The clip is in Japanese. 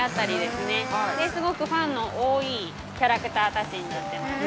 すごくファンの多いキャラクターたちになっています。